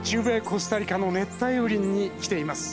コスタリカの熱帯雨林に来ています。